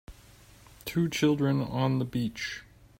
Two children on the beach.